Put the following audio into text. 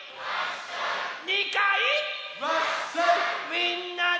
みんなで！